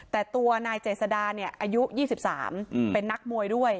แต่ตัวนายเจสดาเนี่ยอายุยี่สิบสามเป็นนักมวยด้วย